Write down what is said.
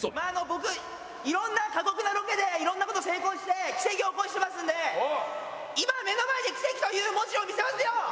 僕いろんな過酷なロケでいろんな事成功して奇跡を起こしてますんで今目の前で奇跡という文字を見せますよ。